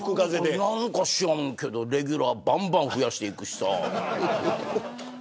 なんか知らんけど、レギュラーばんばん増やしていくしさ。